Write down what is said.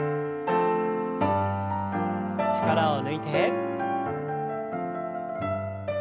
力を抜いて。